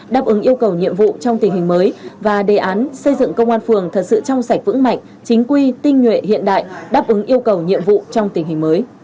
đáp ứng yêu cầu nhiệm vụ trong tình hình mới và đề án xây dựng công an phường thật sự trong sạch vững mạnh chính quy tinh nhuệ hiện đại đáp ứng yêu cầu nhiệm vụ trong tình hình mới